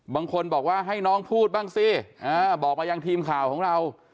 บางคนบอกว่าให้น้องพูดบ้างสิบอกมายังทีมข่าวของเรา